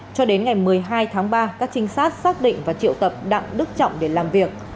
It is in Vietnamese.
cho đến ngày một mươi hai tháng ba các trinh sát xác định và triệu tập đặng đức trọng để làm việc